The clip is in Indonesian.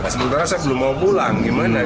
sebenarnya saya belum mau pulang